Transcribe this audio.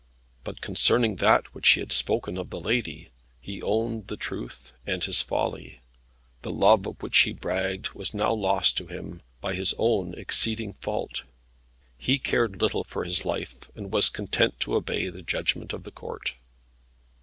But concerning that which he had spoken of the lady, he owned the truth, and his folly. The love of which he bragged was now lost to him, by his own exceeding fault. He cared little for his life, and was content to obey the judgment of the Court.